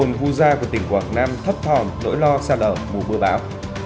hùng hù gia của tỉnh quảng nam thấp thòm nỗi lo xa lở mù bưa bão